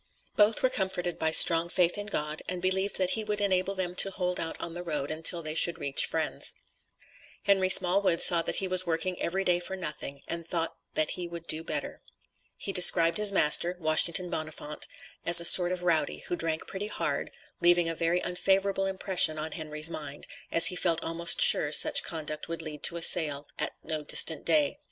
Both were comforted by strong faith in God, and believed that He would enable them to hold out on the road until they should reach friends. Henry Smallwood saw that he was working every day for nothing, and thought that he would do better. He described his master (Washington Bonafont) as a sort of a rowdy, who drank pretty hard, leaving a very unfavorable impression on Henry's mind, as he felt almost sure such conduct would lead to a sale at no distant day.